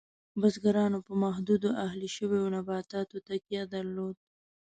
بزګرانو په محدودو اهلي شویو نباتاتو تکیه درلود.